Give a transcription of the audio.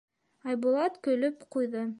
— Айбулат көлөп ҡуйҙы.